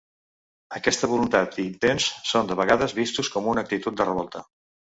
Aquesta voluntat i intents són de vegades vistos com una actitud de revolta.